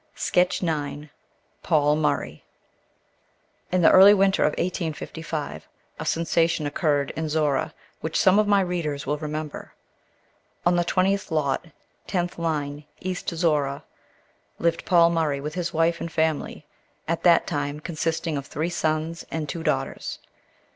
Sketch IX. PAUL MURRAY, THE PIONEER HUNTER. In the early winter of 1855 a sensation occurred in Zorra which some of my readers will remember. On the 20th lot, 10th line, East Zorra, lived Paul Murray with his wife and family, at that time consisting of three sons and two daughters.